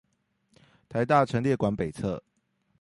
臺大農業陳列館北側